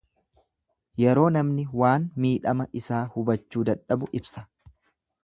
Yeroo namni waan miidhama isaa hubachuu dadhabu ibsa.